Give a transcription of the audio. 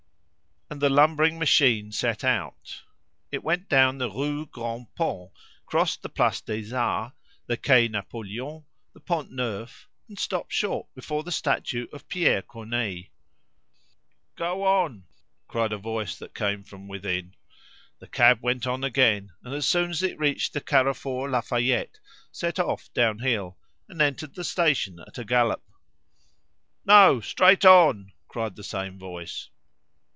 And the lumbering machine set out. It went down the Rue Grand Pont, crossed the Place des Arts, the Quai Napoleon, the Pont Neuf, and stopped short before the statue of Pierre Corneille. "Go on," cried a voice that came from within. The cab went on again, and as soon as it reached the Carrefour Lafayette, set off down hill, and entered the station at a gallop. "No, straight on!" cried the same voice.